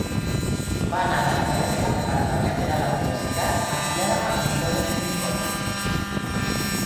Va anar a l'acadèmica preparatòria per a la universitat afiliada amb l'Oberlin College.